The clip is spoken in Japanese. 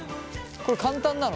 これ簡単なの？